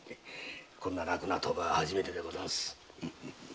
こんな楽な賭場は初めてでござんす。